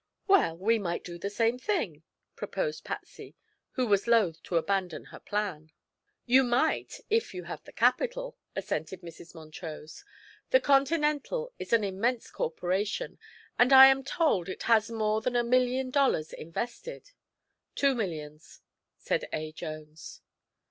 "Well, we might do the same thing," proposed Patsy, who was loath to abandon her plan. "You might, if you have the capital," assented Mrs. Montrose. "The Continental is an immense corporation, and I am told it has more than a million dollars invested." "Two millions," said A. Jones.